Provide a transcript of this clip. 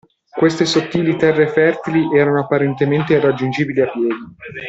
Queste sottili terre fertili erano apparentemente irraggiungibili a piedi.